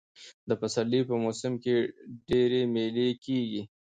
د پسرلي په موسم کښي ډېرئ مېلې کېږي.